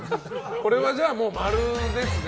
これはじゃあ、○ですね。